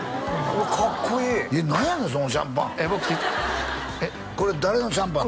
うわかっこいいえっ何やねんそのシャンパンこれ誰のシャンパン？